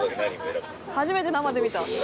「初めて生で見た」